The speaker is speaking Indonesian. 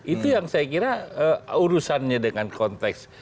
itu yang saya kira urusannya dengan konteks